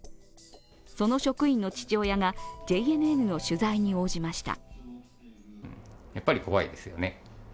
その職員の父親がＪＮＮの取材に応じました。